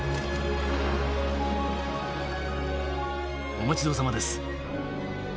お待ち遠さまです。